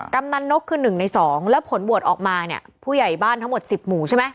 กำนันนกคือ๑ใน๒แล้วผลบวชออกมาเนี่ยผู้ใหญ่บ้านทั้งหมด๑๐หมู่ใช่ไหม